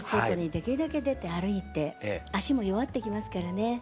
外にできるだけ出て歩いて足も弱ってきますからね。